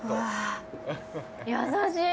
優しい。